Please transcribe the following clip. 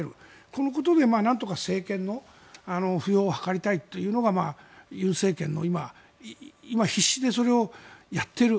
このことでなんとか政権の浮揚を図りたいというのが尹政権の今、必死でそれをやっている。